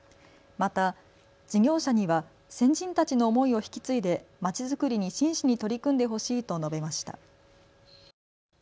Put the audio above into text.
また、事業者には先人たちの思いを引き継いでまちづくりに真摯に取り組んでほしいと述べました。